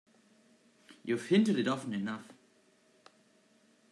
You've hinted it often enough.